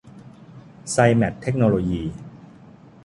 ไซแมท เทคโนโลยี